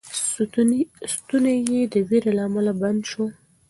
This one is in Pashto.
ستونی یې د وېرې له امله بند شو.